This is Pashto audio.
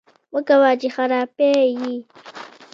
مکوه! چې خراپی یې